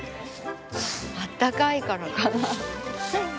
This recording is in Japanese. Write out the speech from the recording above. あったかいからかな？